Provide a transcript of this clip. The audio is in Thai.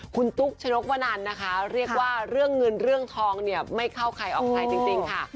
คุณตุ๊กชนกวนันนะคะเรียกว่าเรื่องเงินเรื่องทองเนี่ยไม่เข้าใครออกใครจริงค่ะ